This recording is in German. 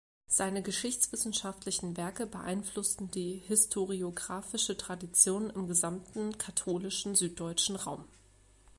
Seine geschichtswissenschaftlichen Werke beeinflussten die historiographische Tradition im gesamten katholischen-süddeutschen Raum.